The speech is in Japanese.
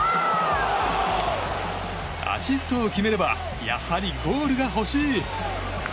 アシストを決めればやはりゴールが欲しい。